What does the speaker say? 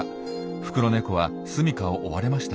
フクロネコは住みかを追われました。